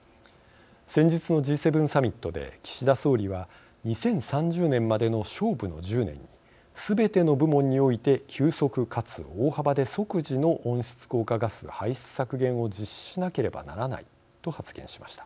先日のＧ７サミットで岸田総理は「２０３０年までの勝負の１０年にすべての部門において急速かつ大幅で即時の温室効果ガス排出削減を実施しなければならない」と発言しました。